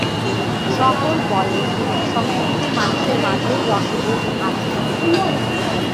সকল বয়স এবং সংস্কৃতির মানুষের মাঝেই রসবোধ আছে।